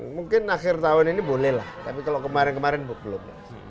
mungkin akhir tahun ini bolehlah tapi kalau kemarin kemarin belum